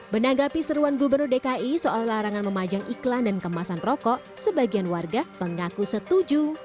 menanggapi seruan gubernur dki soal larangan memajang iklan dan kemasan rokok sebagian warga mengaku setuju